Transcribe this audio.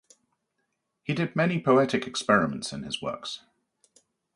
He did many poetic experiments in his works.